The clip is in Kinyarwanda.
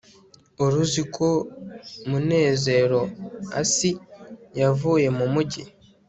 wari uzi ko munezeroasi yavuye mu mujyi